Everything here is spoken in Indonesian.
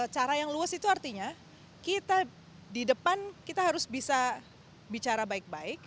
cara yang luas itu artinya kita di depan kita harus bisa bicara baik baik